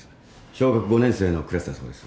小学５年生のクラスだそうです。